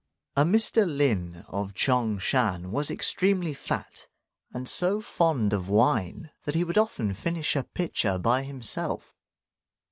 A Mr. Lin of Ch'ang shan was extremely fat, and so fond of wine that he would often finish a pitcher by himself.